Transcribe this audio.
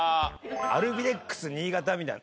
アルビレックス新潟みたいな